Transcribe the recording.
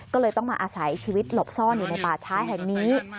ก็เลยต้องมาอาศัยชีวิตหลบซ่อนอยู่ในป่าช้าแห่งนี้